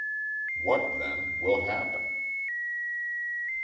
What, then, will happen?